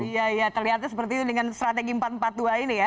iya iya terlihatnya seperti itu dengan strategi empat ratus empat puluh dua ini ya